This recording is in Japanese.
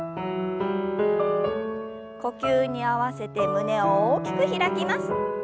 呼吸に合わせて胸を大きく開きます。